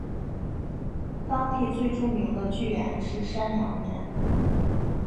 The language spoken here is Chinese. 当地最著名的巨岩是山羊岩。